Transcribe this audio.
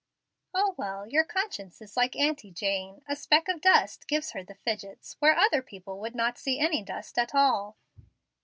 "O, well, your conscience is like Auntie Jane. A speck of dust gives her the fidgets where other people would not see any dust at all.